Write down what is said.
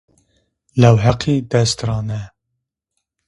Lew Heqi dest ra ne.